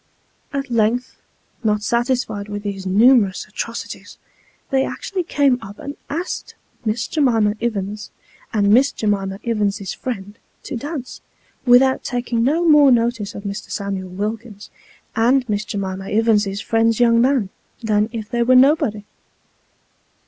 At length, not satisfied with these numerous atrocities, they actually came up and asked Miss J'mima Ivins, and Miss J'mima Ivins's friend, to dance, without taking no more notice of Mr. Samuel Wilkins, and Miss J'mima Ivins's friend's young man. than if they was nobody